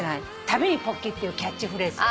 「旅にポッキー」っていうキャッチフレーズ。